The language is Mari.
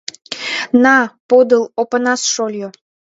На, подыл, Опанас шольо.